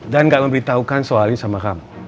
dan gak memberitahukan soalnya sama kamu